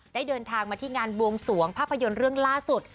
เดินทางมาที่งานบวงสวงภาพยนตร์เรื่องล่าสุด